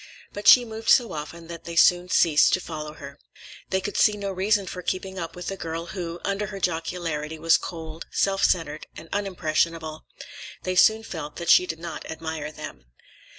But she moved so often that they soon ceased to follow her. They could see no reason for keeping up with a girl who, under her jocularity, was cold, self centered, and unimpressionable. They soon felt that she did not admire them.